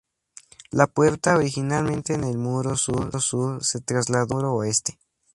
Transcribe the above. La puerta, originalmente en el muro sur, se trasladó al muro oeste.